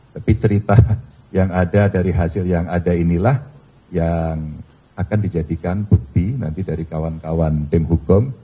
tapi cerita yang ada dari hasil yang ada inilah yang akan dijadikan bukti nanti dari kawan kawan tim hukum